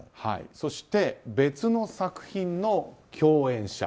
そして別の作品の共演者。